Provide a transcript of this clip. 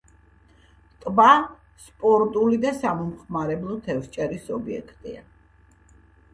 ტბა სპორტული და სამომხმარებლო თევზჭერის ობიექტია.